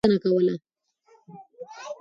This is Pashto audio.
دوی د پښتنو د کلتور او رواجونو ساتنه کوله.